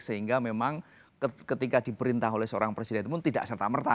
sehingga memang ketika diperintah oleh seorang presiden pun tidak serta merta